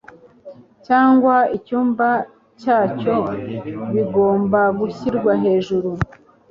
cyangwa icyumba cyacyo bigomba gushyirwa hejuru